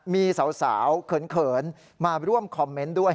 มีสาวเขินมาร่วมคอมเมนต์ด้วย